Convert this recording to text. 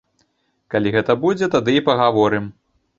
Калі гэта будзе, тады і пагаворым.